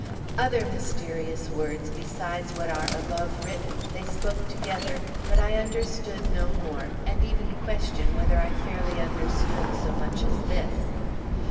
Other mysterious words, besides what are above written, they spoke together; but I understood no more, and even question whether I fairly understood so much as this.